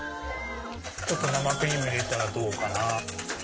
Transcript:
ちょっと生クリーム入れたらどうかな。